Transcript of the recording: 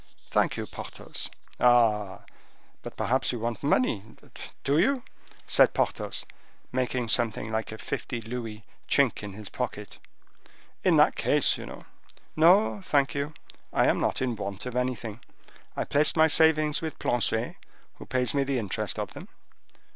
"Thank you, Porthos." "Ah! but perhaps you want money—do you?" said Porthos, making something like fifty louis chink in his pocket. "In that case, you know—" "No, thank you; I am not in want of anything. I placed my savings with Planchet, who pays me the interest of them."